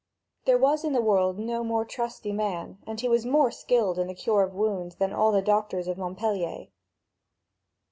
There was in the world no more trusty man, and he was more skilled in the cure of wounds than all the doctors of Montpeilier.